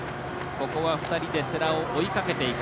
ここは２人で世羅を追いかけていく。